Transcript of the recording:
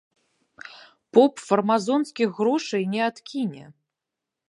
Поп фармазонскіх грошай не адкіне.